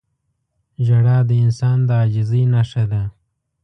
• ژړا د انسان د عاجزۍ نښه ده.